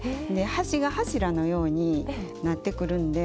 端が柱のようになってくるんで。